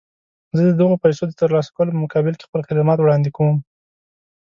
زه د دغو پيسو د ترلاسه کولو په مقابل کې خپل خدمات وړاندې کوم.